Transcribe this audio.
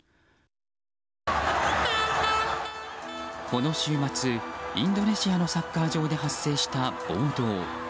この週末、インドネシアのサッカー場で発生した暴動。